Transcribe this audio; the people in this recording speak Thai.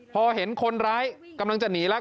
พอเห็นคนร้ายกำลังจะหนีแล้ว